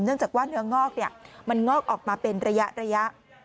เนื่องจากว่าเนื้องอกเนี่ยมันงอกออกมาเป็นระยะ